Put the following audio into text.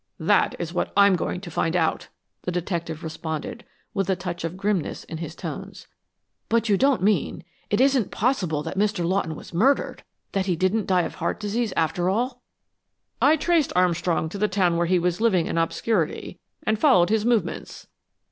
"That is what I'm going to find out," the detective responded, with a touch of grimness in his tones. "But you don't mean it isn't possible that Mr. Lawton was murdered! That he didn't die of heart disease, after all!" "I traced Armstrong to the town where he was living in obscurity, and followed his movements."